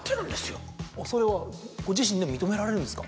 それはご自身で認められるんですか？